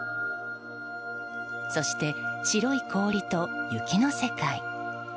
そして、白い氷と雪の世界。